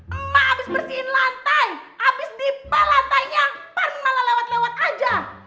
emak abis bersihin lantai abis dipel lantainya parmin malah lewat lewat aja